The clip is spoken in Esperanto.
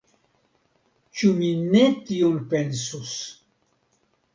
Ĉu mi ne tion pensus!